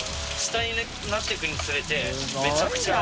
爾なっていくにつれてめちゃくちゃ。